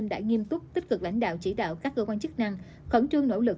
đã nghiêm túc tích cực lãnh đạo chỉ đạo các cơ quan chức năng khẩn trương nỗ lực